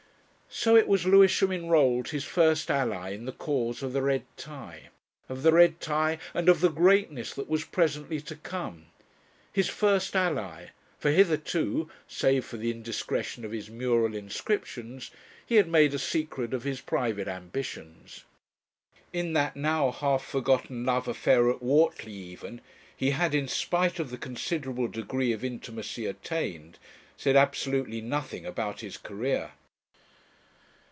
So it was Lewisham enrolled his first ally in the cause of the red tie of the red tie and of the Greatness that was presently to come. His first ally; for hitherto save for the indiscretion of his mural inscriptions he had made a secret of his private ambitions. In that now half forgotten love affair at Whortley even, he had, in spite of the considerable degree of intimacy attained, said absolutely nothing about his Career.